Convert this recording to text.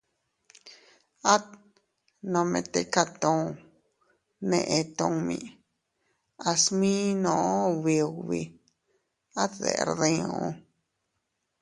At nome tika tun neʼe tummi, a sminoo ubi ubi, at deʼer diu.